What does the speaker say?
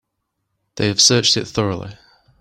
They have searched it thoroughly.